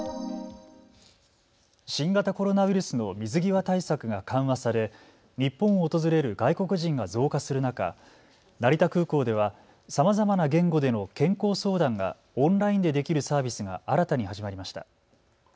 新型コロナウイルスの水際対策が緩和され日本を訪れる外国人が増加する中、成田空港ではさまざまな言語での健康相談がオンラインでできるサービスが新たに始まりました。